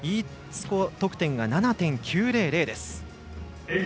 Ｅ得点が７．９００です。